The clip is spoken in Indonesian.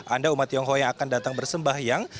anda umat tionghoa yang akan datang bersembahyang